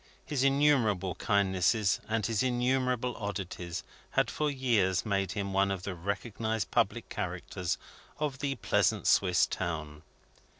His innumerable kindnesses and his innumerable oddities had for years made him one of the recognised public characters of the pleasant Swiss town.